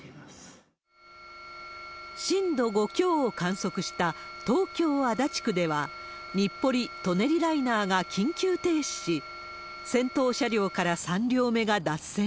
震度５強を観測した東京・足立区では、日暮里・舎人ライナーが緊急停止し、先頭車両から３両目が脱線。